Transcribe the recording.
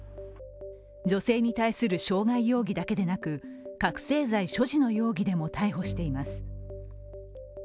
女性に対する傷害容疑だけでなく覚醒剤所持の容疑でも逮捕しています。